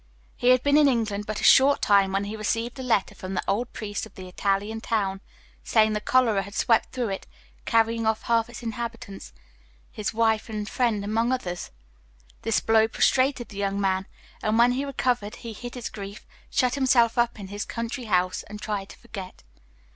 He had been in England but a short time when he received a letter from the old priest of the Italian town, saying the cholera had swept through it, carrying off half its inhabitants, his wife and friend among others. This blow prostrated the young man, and when he recovered he hid his grief, shut himself up in his country house, and tried to forget.